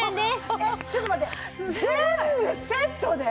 えっちょっと待って全部セットで？